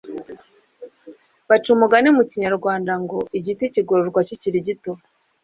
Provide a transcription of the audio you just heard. Baca umugani mu Kinyarwanda ngo igiti kigororwa kikiri gito